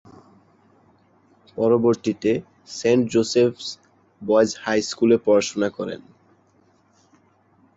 পরবর্তীতে Saint Joseph's boys high স্কুলে পড়াশোনা শেষ করেন।